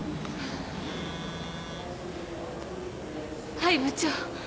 はい部長。